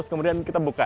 kemudian kita buka